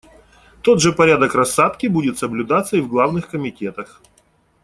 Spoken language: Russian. Тот же порядок рассадки будет соблюдаться и в главных комитетах.